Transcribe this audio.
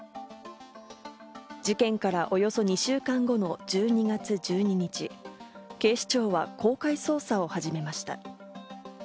事件からおよそ２週間後の１２月１２日、警視庁は公開捜査を始めました。